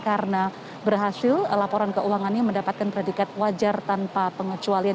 karena berhasil laporan keuangannya mendapatkan predikat wajar tanpa pengecualian